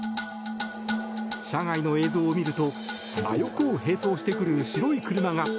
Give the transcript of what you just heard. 車外の映像を見ると真横を並走してくる白い車が。